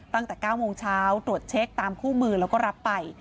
ตั้งแต่๙โมงเช้าตรวจเช็คตามคู่มือแล้วก็รับไป